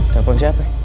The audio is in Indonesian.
telepon siapa ya